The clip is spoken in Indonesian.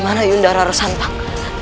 dimana yunda rarosantang